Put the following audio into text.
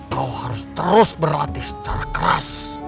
kau harus terus berlatih secara keras